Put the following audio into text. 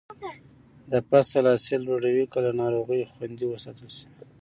د فصل حاصل لوړوي که له ناروغیو خوندي وساتل شي.